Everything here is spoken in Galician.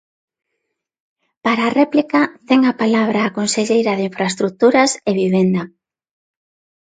Para réplica, ten a palabra a conselleira de Infraestruturas e Vivenda.